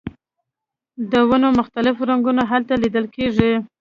د ونو مختلف رنګونه هلته لیدل کیږي